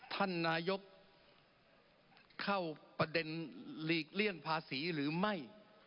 ท่านนายกเข้าประเด็นหลีกเลี่ยงภาษีหรือไม่